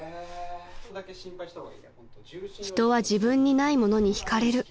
［人は自分にないものに引かれる］